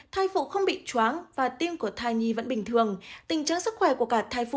thai phụ không bị chóng và tim của thai nhi vẫn bình thường tình trạng sức khỏe của cả thai phụ